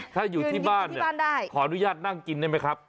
คุณซูอลถ้าอยู่ที่บ้านอ่ะขออนุญาตนั่งกินได้มั้ยครับ